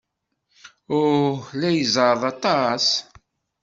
Aw, la izeɛɛeḍ aṭas!